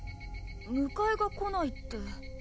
迎えが来ないって。